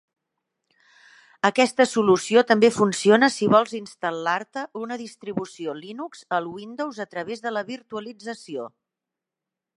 Aquesta solució també funciona si vols instal·lar-te una distribució Linux al Windows a través de la virtualització.